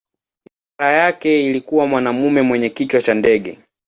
Ishara yake ilikuwa mwanamume mwenye kichwa cha ndege.